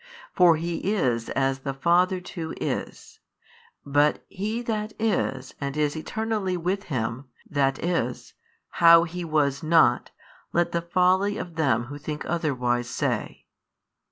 For He is as the Father too is: but He That is and is Eternally with Him That is, how He was not, let the folly of them who think otherwise 15 say.